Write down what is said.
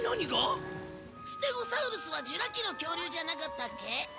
ステゴサウルスはジュラ紀の恐竜じゃなかったっけ？